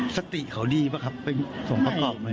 สติเขาดีป่ะครับไปส่งครับออกมา